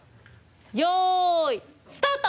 よいスタート！